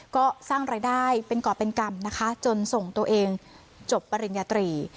ก็สร้างรายได้เป็นก่อเป็นกรรมนะคะจนส่งตัวเองจบปริญญาตรี